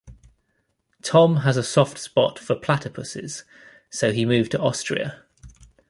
Tom has a soft spot for platypuses, so he moved to Austria.